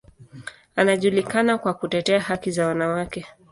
Anajulikana kwa kutetea haki za wanawake.